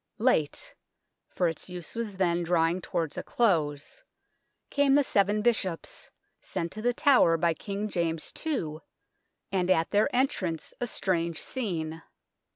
Late for its use was then drawing towards a close came the Seven Bishops, sent to The Tower by King James II, and at then* entrance a strange scene.